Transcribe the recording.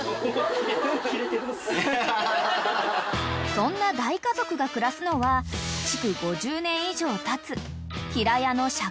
［そんな大家族が暮らすのは築５０年以上たつ平家の借家］